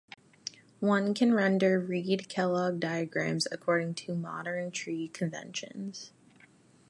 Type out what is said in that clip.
One can render Reed-Kellogg diagrams according to modern tree conventions.